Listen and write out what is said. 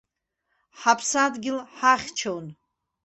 Ҳаԥсадгьыл ҳахьчон.